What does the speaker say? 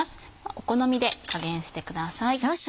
お好みで加減してください。